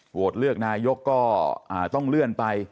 โหวตเลือกนายกก็ต้องเลื่อนไป